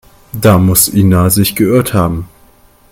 Da muss Ina sich geirrt haben.